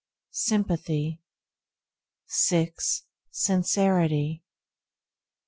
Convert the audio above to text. Sympathy 6. Sincerity 7.